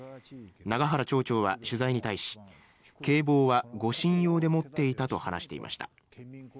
永原町長は取材に対し警棒は護身用で持っていたと話していました。